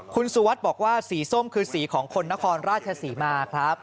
คุณสุวัสดิ์บอกว่าสีส้มคือสีของคนนครราชศรีมาครับ